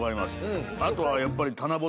あとはやっぱり。